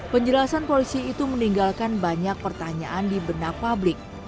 penjelasan polisi itu meninggalkan banyak pertanyaan di benak publik